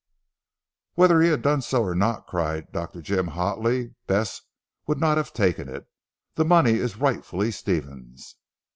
"Whether he had done so or not," cried Dr. Jim hotly, "Bess would not have taken it. The money is rightfully Stephen's."